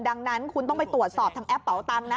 ดังนั้นคุณต้องไปตรวจสอบทางแอปเป่าตังค์นะ